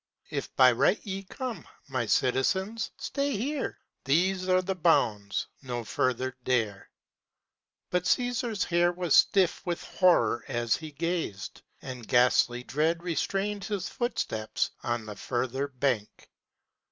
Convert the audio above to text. If by right ye come, My citizens, stay here; these are the bounds; No further dare." But Caesar's hair was stiff With horror as he gazed, and ghastly dread Restrained his footsteps on the further bank.